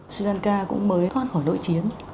sri lanka cũng mới thoát khỏi nội chiến